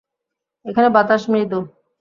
এখানের বাতাস মৃদু।